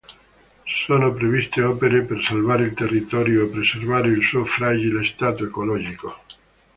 Sono previste opere per salvare il territorio e preservare il suo fragile stato ecologico.